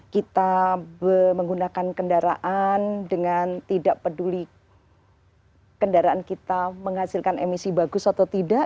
kita menggunakan kendaraan dengan tidak peduli kendaraan kita menghasilkan emisi bagus atau tidak